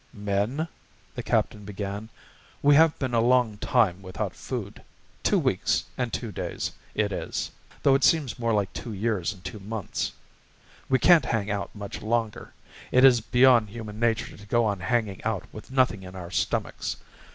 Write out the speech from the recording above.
"Men," the captain began, "we have been a long time without food two weeks and two days it is, though it seems more like two years and two months. We can't hang out much longer. It is beyond human nature to go on hanging out with nothing in our stomachs.